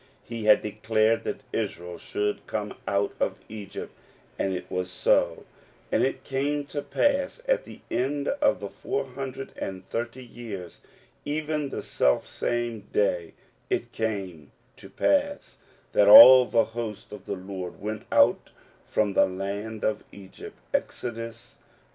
He had declared that Israel should come out of Egypt, and it was so : "And it came to pass at the end of the four hundred and thirty years, even the selfsame day it came to pass, that all the hosts of the Lord went out from the land of Egypt'* (Exodus xii.